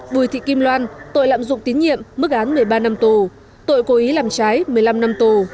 bùi thị kim loan tội lạm dụng tín nhiệm mức án một mươi ba năm tù tội cố ý làm trái một mươi năm năm tù